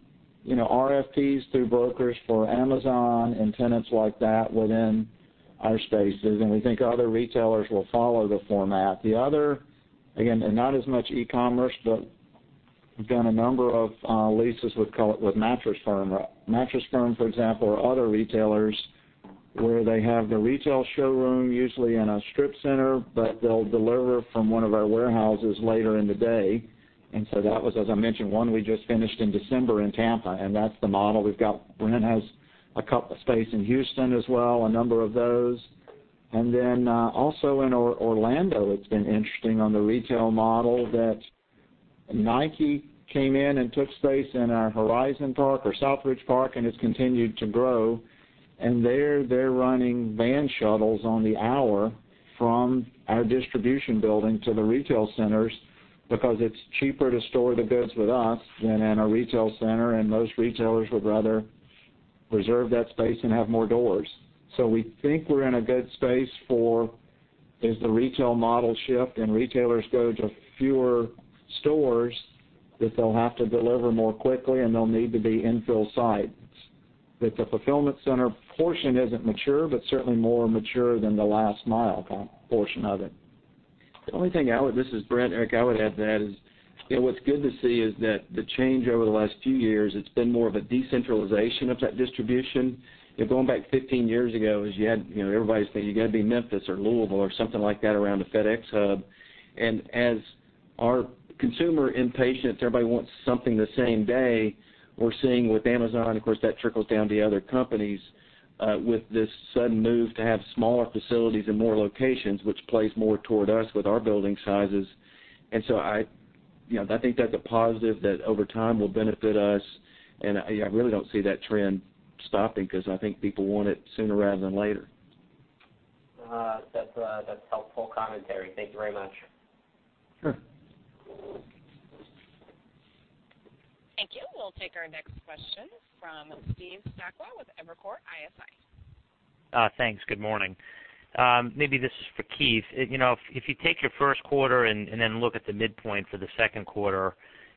RFPs through brokers for Amazon and tenants like that within our spaces. We think other retailers will follow the format. The other, again, not as much e-commerce, but we've done a number of leases with Mattress Firm. Mattress Firm, for example, or other retailers, where they have the retail showroom, usually in a strip center, but they'll deliver from one of our warehouses later in the day. That was, as I mentioned, one we just finished in December in Tampa. That's the model we've got. Brent has a couple space in Houston as well, a number of those. Also in Orlando, it's been interesting on the retail model that Nike came in and took space in our Horizon Park or South Ridge Park. It's continued to grow. There, they're running van shuttles on the hour from our distribution building to the retail centers because it's cheaper to store the goods with us than in a retail center. Most retailers would rather reserve that space and have more doors. We think we're in a good space for as the retail model shift and retailers go to fewer stores, that they'll have to deliver more quickly, and they'll need to be infill sites. That the fulfillment center portion isn't mature. Certainly more mature than the last mile portion of it. The only thing, this is Brent, Eric, I would add to that is, what's good to see is that the change over the last few years, it's been more of a decentralization of that distribution. Going back 15 years ago, everybody's saying you got to be Memphis or Louisville or something like that around a FedEx hub. As our consumer impatience, everybody wants something the same day, we're seeing with Amazon, of course, that trickles down to other companies, with this sudden move to have smaller facilities and more locations, which plays more toward us with our building sizes. So I think that's a positive that over time will benefit us, and I really don't see that trend stopping because I think people want it sooner rather than later. That's helpful commentary. Thank you very much. Sure. Thank you. We'll take our next question from Steve Sakwa with Evercore ISI. Thanks. Good morning. Maybe this is for Keith. If you take your first quarter and then look at the midpoint for the second quarter,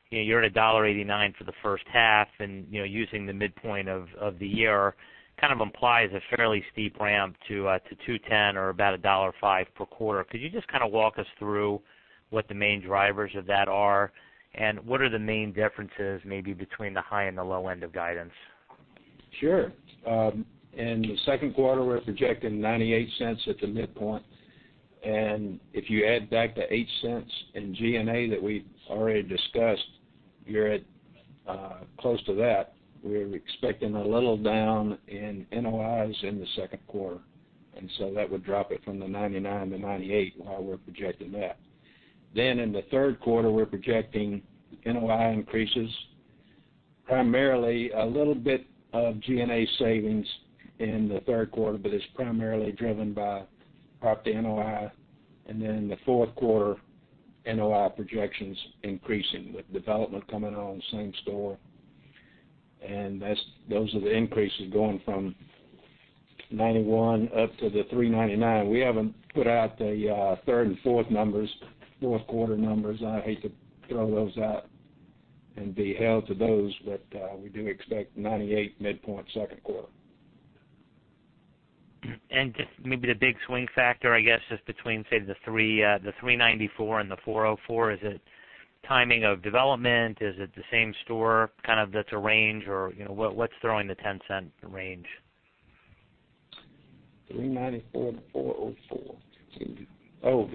you're at $1.89 for the first half, and using the midpoint of the year, kind of implies a fairly steep ramp to $2.10 or about $1.05 per quarter. Could you just kind of walk us through what the main drivers of that are, and what are the main differences maybe between the high and the low end of guidance? Sure. In the second quarter, we're projecting $0.98 at the midpoint. If you add back the $0.08 in G&A that we already discussed, you're at close to that. We're expecting a little down in NOIs in the second quarter, that would drop it from the $0.99 to $0.98, why we're projecting that. In the third quarter, we're projecting NOI increases, primarily a little bit of G&A savings in the third quarter, but it's primarily driven by property NOI. In the fourth quarter, NOI projections increasing with development coming on the same store. Those are the increases going from $0.91 up to the $3.99. We haven't put out the third and fourth quarter numbers. I hate to throw those out and be held to those, we do expect $0.98 midpoint second quarter. Just maybe the big swing factor, I guess, just between, say, the $3.94 and the $4.04. Is it timing of development? Is it the same store kind of that's a range? What's throwing the $0.10 range? $3.94 to $4.04. Oh,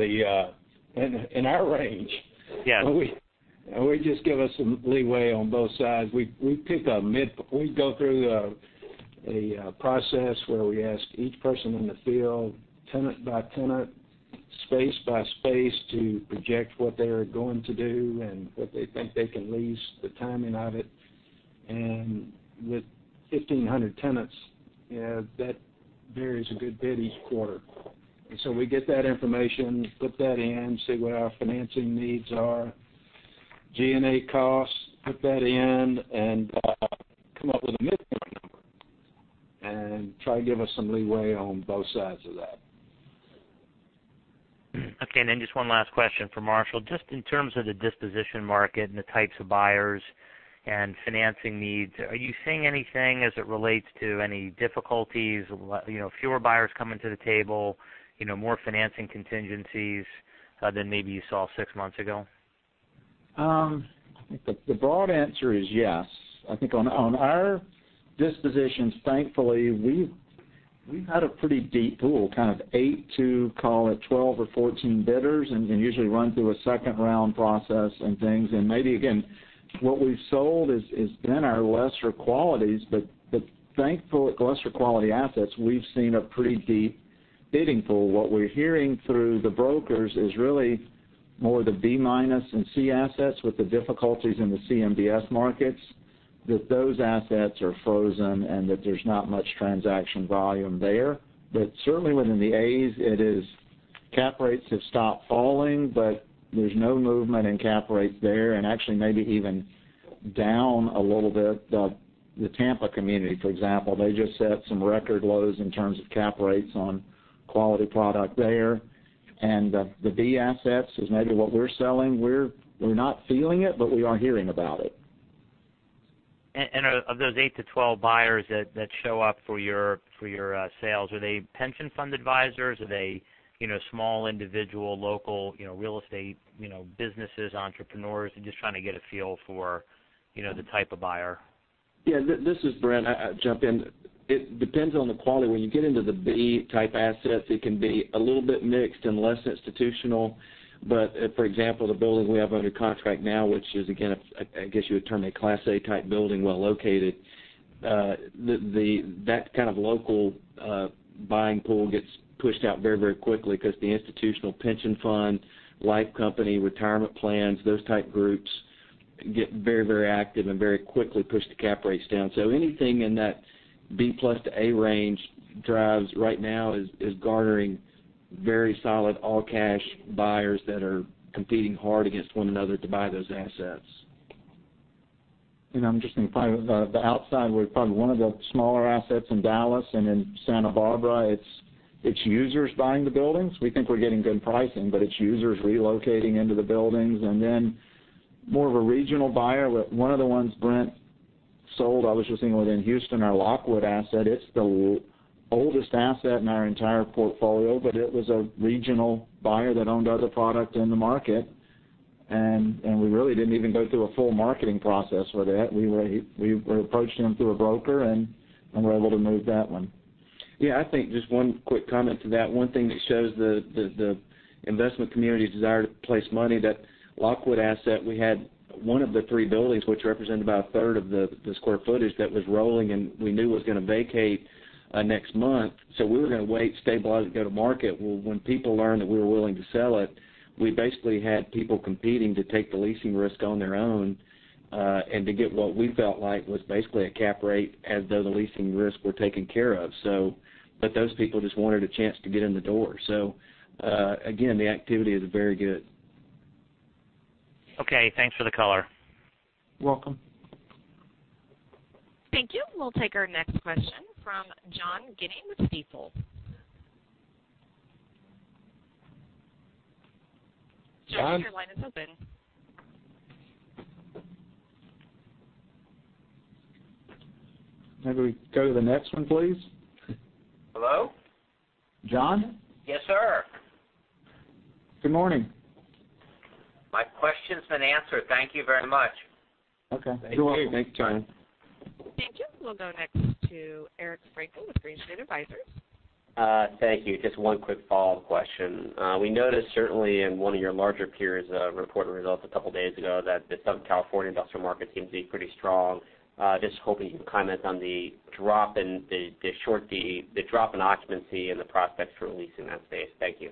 in our range. Yes. We just give us some leeway on both sides. We go through a process where we ask each person in the field, tenant by tenant, space by space, to project what they're going to do and what they think they can lease, the timing of it. With 1,500 tenants, that varies a good bit each quarter. We get that information, put that in, see what our financing needs are, G&A costs, put that in, and come up with a midpoint number, and try to give us some leeway on both sides of that. Just one last question for Marshall. Just in terms of the disposition market and the types of buyers and financing needs, are you seeing anything as it relates to any difficulties, fewer buyers coming to the table, more financing contingencies than maybe you saw six months ago? I think the broad answer is yes. I think on our dispositions, thankfully, we've had a pretty deep pool, kind of eight to call it 12 or 14 bidders, and usually run through a second-round process and things. Maybe, again, what we've sold has been our lesser qualities, but thankfully, with lesser quality assets, we've seen a pretty deep bidding pool. What we're hearing through the brokers is really more the B minus and C assets with the difficulties in the CMBS markets, that those assets are frozen and that there's not much transaction volume there. Certainly within the As, cap rates have stopped falling, but there's no movement in cap rates there, and actually maybe even down a little bit. The Tampa community, for example, they just set some record lows in terms of cap rates on quality product there. The B assets is maybe what we're selling. We're not feeling it, but we are hearing about it. Of those 8 to 12 buyers that show up for your sales, are they pension fund advisors? Are they small individual local real estate businesses, entrepreneurs? I'm just trying to get a feel for the type of buyer. This is Brent. I'll jump in. It depends on the quality. When you get into the B-type assets, it can be a little bit mixed and less institutional. For example, the building we have under contract now, which is again, I guess you would term a Class A type building, well located, that kind of local buying pool gets pushed out very quickly because the institutional pension fund, life company, retirement plans, those type groups get very active and very quickly push the cap rates down. Anything in that B+ to A range drives right now is garnering very solid all-cash buyers that are competing hard against one another to buy those assets. I'm just going to pipe in. The outside with probably one of the smaller assets in Dallas and in Santa Barbara, it's users buying the buildings. We think we're getting good pricing, but it's users relocating into the buildings. Then more of a regional buyer with one of the ones Brent sold, I was just thinking within Houston, our Lockwood asset, it's the oldest asset in our entire portfolio. It was a regional buyer that owned other product in the market. We really didn't even go through a full marketing process with it. We approached them through a broker, and were able to move that one. I think just one quick comment to that. One thing that shows the investment community's desire to place money, that Lockwood asset, we had one of the three buildings, which represented about a third of the square footage that was rolling, and we knew it was going to vacate next month. We were going to wait, stabilize it, go to market. When people learned that we were willing to sell it, we basically had people competing to take the leasing risk on their own, and to get what we felt like was basically a cap rate as though the leasing risk were taken care of. Those people just wanted a chance to get in the door. Again, the activity is very good. Okay, thanks for the color. Welcome. Thank you. We'll take our next question from John Guinee with Stifel. John? John, your line is open. Maybe we go to the next one, please. Hello? John? Yes, sir. Good morning. My question's been answered. Thank you very much. Okay. You're welcome. Thank you, John. Thank you. We'll go next to Eric Frankel with Green Street Advisors. Thank you. Just one quick follow-up question. We noticed certainly in one of your larger peers report results a couple of days ago that the Southern California industrial market seems to be pretty strong. Just hoping you can comment on the drop in occupancy and the prospects for leasing that space. Thank you.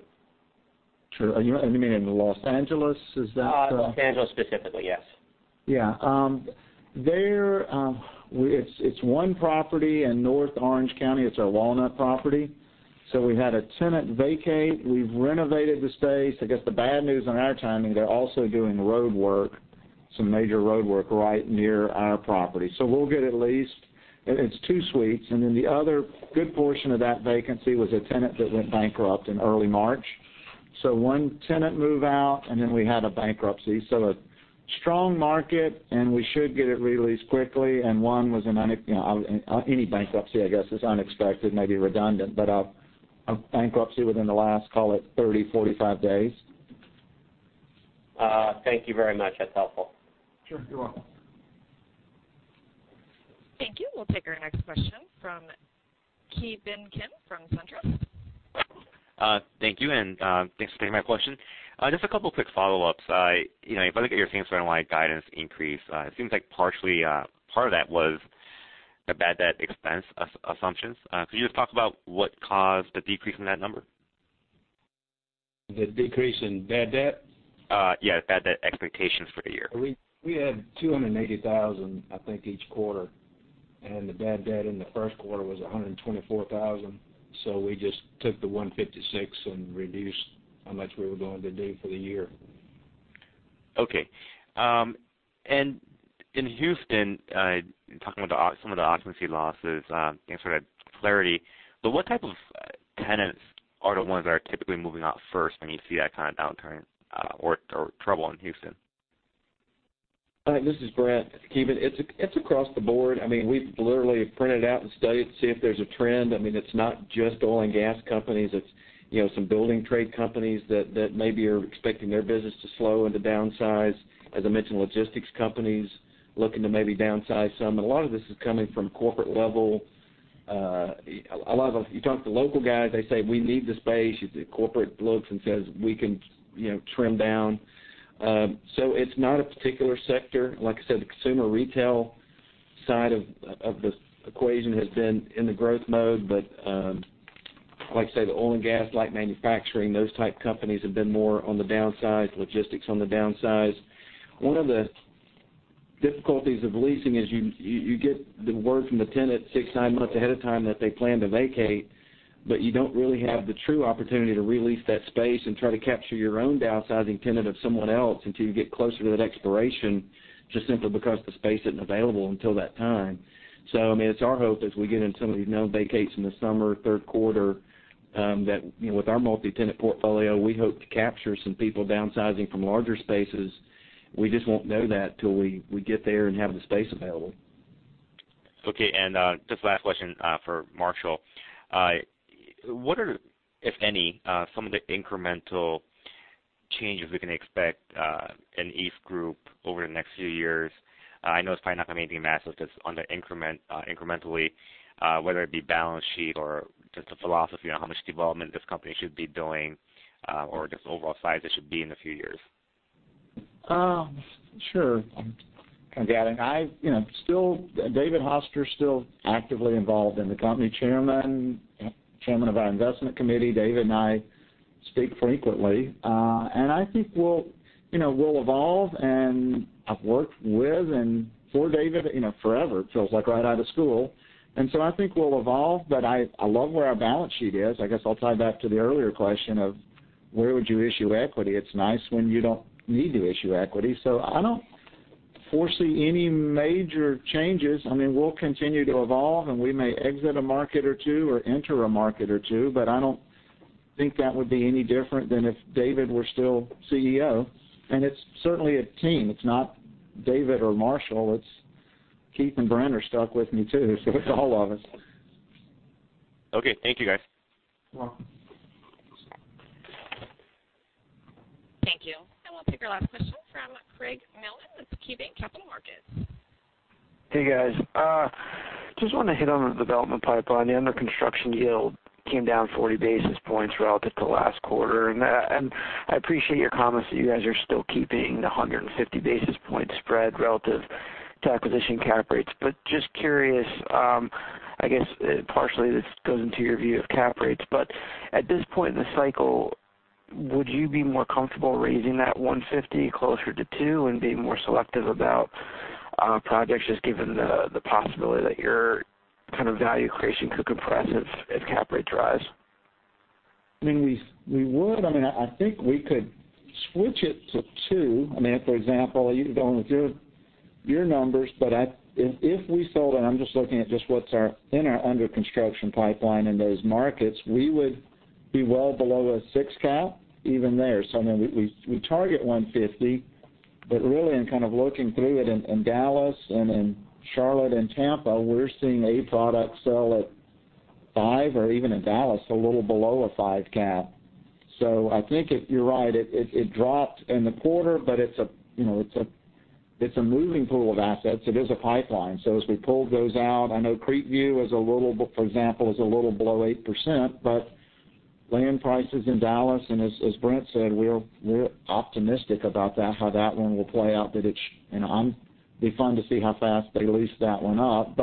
Sure. You mean in Los Angeles? Is that? Los Angeles specifically, yes. There, it's one property in North Orange County. It's our Walnut property. We had a tenant vacate. We've renovated the space. I guess the bad news on our timing, they're also doing road work Some major roadwork right near our property. We'll get at least It's two suites, the other good portion of that vacancy was a tenant that went bankrupt in early March. One tenant move out, we had a bankruptcy. A strong market, and we should get it re-leased quickly. One was any bankruptcy, I guess, is unexpected, maybe redundant, but a bankruptcy within the last, call it 30, 45 days. Thank you very much. That's helpful. Sure. You're welcome. Thank you. We'll take our next question from Ki Bin Kim from SunTrust. Thank you. Thanks for taking my question. Just a couple of quick follow-ups. If I look at your same-store-wide guidance increase, it seems like partially, part of that was the bad debt expense assumptions. Could you just talk about what caused the decrease in that number? The decrease in bad debt? Yeah, bad debt expectations for the year. We had $280,000, I think, each quarter. The bad debt in the first quarter was $124,000. We just took the $156 and reduced how much we were going to do for the year. Okay. In Houston, talking about some of the occupancy losses, thanks for that clarity. What type of tenants are the ones that are typically moving out first when you see that kind of downturn or trouble in Houston? This is Brent. Ki Bin, it's across the board. We've literally printed out and studied to see if there's a trend. It's not just oil and gas companies. It's some building trade companies that maybe are expecting their business to slow and to downsize. As I mentioned, logistics companies looking to maybe downsize some. A lot of this is coming from corporate level. A lot of them, you talk to local guys, they say, "We need the space." The corporate looks and says, "We can trim down." It's not a particular sector. Like I said, the consumer retail side of the equation has been in the growth mode. Like I say, the oil and gas, light manufacturing, those type companies have been more on the downsize, logistics on the downsize. One of the difficulties of leasing is you get the word from the tenant six, nine months ahead of time that they plan to vacate, but you don't really have the true opportunity to re-lease that space and try to capture your own downsizing tenant of someone else until you get closer to that expiration, just simply because the space isn't available until that time. It's our hope as we get in some of these known vacates in the summer, third quarter, that with our multi-tenant portfolio, we hope to capture some people downsizing from larger spaces. We just won't know that till we get there and have the space available. Okay, just last question for Marshall. What are, if any, some of the incremental changes we can expect in EastGroup over the next few years? I know it's probably not going to be anything massive, just on the incrementally, whether it be balance sheet or just a philosophy on how much development this company should be doing, or just the overall size it should be in a few years. Sure. Still, David Hoster's still actively involved in the company, Chairman of our investment committee. David and I speak frequently. I think we'll evolve, and I've worked with and for David forever, it feels like right out of school. I think we'll evolve, but I love where our balance sheet is. I guess I'll tie it back to the earlier question of where would you issue equity. It's nice when you don't need to issue equity. I don't foresee any major changes. We'll continue to evolve, and we may exit a market or two, or enter a market or two, but I don't think that would be any different than if David were still CEO. It's certainly a team. It's not David or Marshall. Keith and Brent are stuck with me, too, so it's all of us. Okay. Thank you, guys. You're welcome. Thank you. We'll take our last question from Craig Mailman with KeyBanc Capital Markets. Hey, guys. Just want to hit on the development pipeline. The under-construction yield came down 40 basis points relative to last quarter. I appreciate your comments that you guys are still keeping the 150 basis point spread relative to acquisition cap rates. Just curious, I guess partially this goes into your view of cap rates, but at this point in the cycle, would you be more comfortable raising that 150 closer to two and being more selective about projects, just given the possibility that your kind of value creation could compress if cap rate rises? We would. I think we could switch it to two. You can go in with your numbers, but if we sold, I'm just looking at just what's in our under-construction pipeline in those markets, we would be well below a six cap even there. We target 150, but really in kind of looking through it in Dallas and in Charlotte and Tampa, we're seeing A product sell at five or even in Dallas, a little below a five cap. I think you're right. It dropped in the quarter, but it's a moving pool of assets. It is a pipeline. As we pull those out, I know Creekview, for example, is a little below 8%, but land prices in Dallas, and as Brent said, we're optimistic about that, how that one will play out. It'd be fun to see how fast they lease that one up.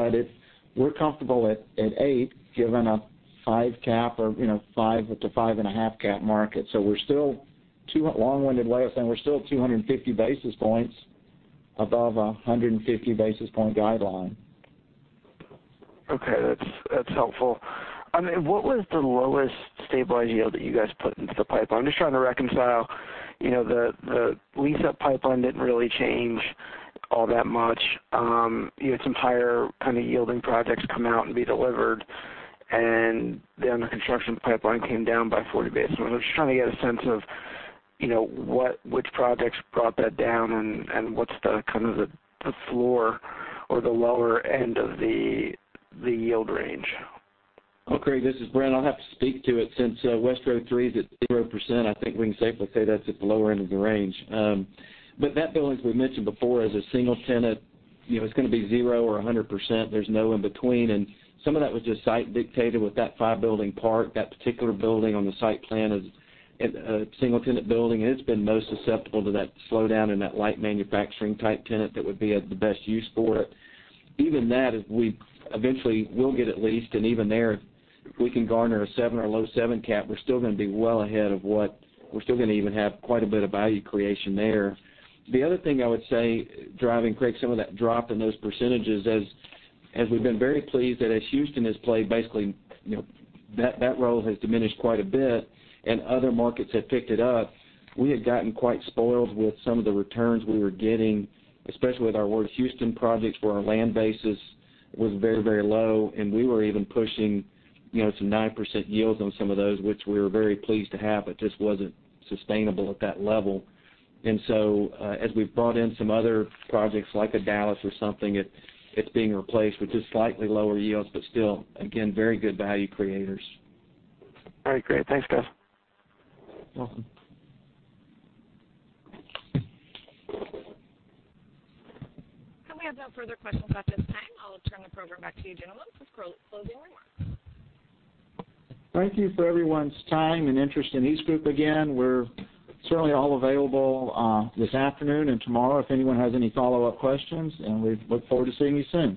We're comfortable at 8, given a 5 cap or 5.5 cap market. We're still too long-winded way of saying we're still at 250 basis points above 150 basis point guideline. Okay, that's helpful. What was the lowest stabilized yield that you guys put into the pipeline? I'm just trying to reconcile, the lease-up pipeline didn't really change all that much. You had some higher kind of yielding projects come out and be delivered, and then the construction pipeline came down by 40 basis points. I'm just trying to get a sense of which projects brought that down and what's the kind of the floor or the lower end of the yield range. Well, Craig, this is Brent. I'll have to speak to it since West Road 3 is at 0%, I think we can safely say that's at the lower end of the range. That building, as we mentioned before, is a single tenant. It's going to be 0% or 100%, there's no in between, and some of that was just site dictated with that 5-building part. That particular building on the site plan is a single-tenant building, and it's been most susceptible to that slowdown in that light manufacturing-type tenant that would be the best use for it. Even that, we eventually will get it leased, and even there, if we can garner a 7 or low 7 cap, we're still going to even have quite a bit of value creation there. The other thing I would say, driving, Craig, some of that drop in those percentages, as we've been very pleased that as Houston has played basically that role has diminished quite a bit and other markets have picked it up. We had gotten quite spoiled with some of the returns we were getting, especially with our Houston projects, where our land basis was very low, and we were even pushing some 9% yields on some of those, which we were very pleased to have, but just wasn't sustainable at that level. As we've brought in some other projects like a Dallas or something, it's being replaced with just slightly lower yields, but still, again, very good value creators. All right, great. Thanks, guys. You're welcome. We have no further questions at this time. I'll turn the program back to you, gentlemen, for closing remarks. Thank you for everyone's time and interest in EastGroup again. We're certainly all available this afternoon and tomorrow if anyone has any follow-up questions, and we look forward to seeing you soon.